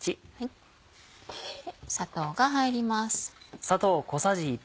砂糖が入ります。